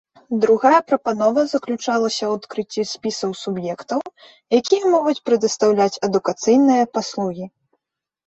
Другая прапанова заключалася ў адкрыцці спісаў суб'ектаў, якія могуць прадастаўляць адукацыйныя паслугі.